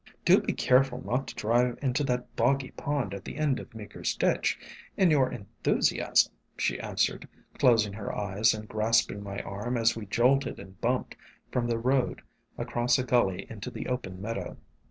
"Do be careful not to drive into that boggy pond at the end of Meeker 's ditch in your en thusiasm," she answered, closing her eyes and grasping my arm as we jolted and bumped from the road across a gully into the open meadow.